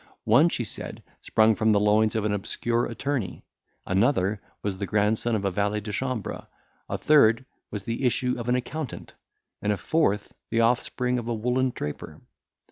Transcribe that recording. One, she said, sprung from the loins of an obscure attorney; another was the grandson of a valet de chambre; a third was the issue of an accountant; and a fourth the offspring of a woollen draper.